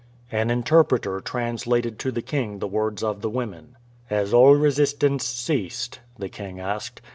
An interpreter translated to the king the words of the women. "Has all resistance ceased?" the king asked.